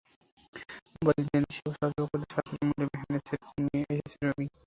Mobile internet সেবা সহজলভ্য করতে সাশ্রয়ী মূল্যে হ্যান্ডসেট নিয়ে এসেছে রবি।